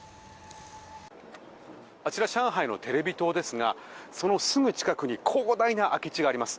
あちら上海のテレビ塔ですがそのすぐ近くに広大な空き地があります。